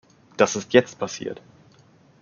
Das ist jetzt passiert.